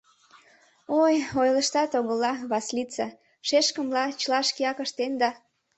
— Ой... ойлыштат огыла, Васлица... шешкым-ла, чыла шкеак ыштен да...